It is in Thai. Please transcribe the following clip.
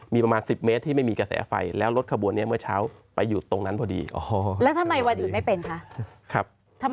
มันไม่อยู่ตรงนั้นเองครับ